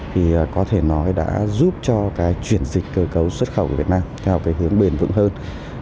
thì có thể nói đã giúp cho cái chuyển dịch cơ cấu xuất khẩu của việt nam theo cái hướng bền vững hơn